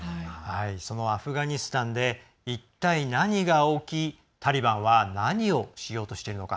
そのアフガニスタンで一体何が起きタリバンは何をしようとしているのか。